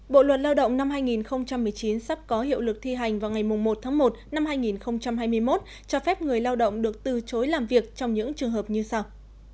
bộ luật lao động năm hai nghìn một mươi chín sắp có hiệu lực thi hành vào ngày một tháng một năm hai nghìn hai mươi một cho phép người lao động được từ chối làm việc trong những trường hợp như sau